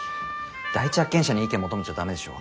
第一発見者に意見求めちゃダメでしょ。